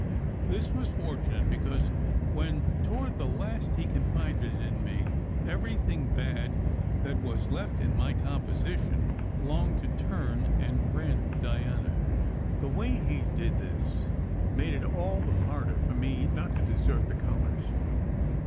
This was fortunate, because, when toward the last he confided in me, everything bad that was left in my composition longed to turn and rend Diana. SECRET HISTORY 57 The way he did this made it all the harder for me not to desert the colours.